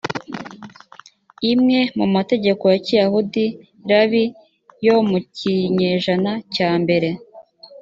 imwe mu mategeko ya kiyahudi rabi yo mu kinyejana cyambere